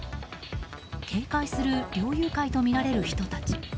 警戒する猟友会とみられる人たち。